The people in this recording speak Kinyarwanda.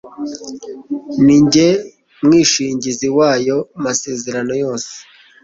Ni njye Mwishingizi w'ayo masezerano yose.